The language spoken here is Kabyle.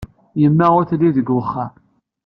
Yemma ur telli deg wexxam.